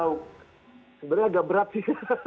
sebenarnya agak berat sih